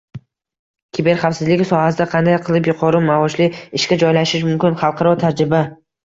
Kiberxavfsizlik sohasida qanday qilib yuqori maoshli ishga joylashish mumkin? Xalqaro tajriba